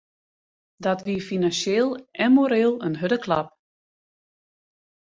Dat wie finansjeel en moreel in hurde klap.